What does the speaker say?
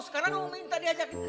sekarang lo mau minta diajakin